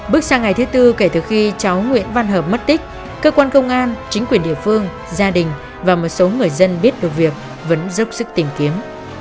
bước sang ngày thứ tư kể từ khi cháu nguyễn văn hợp mất tích cơ quan công an chính quyền địa phương gia đình và một số người dân biết được việc vẫn dốc sức tìm kiếm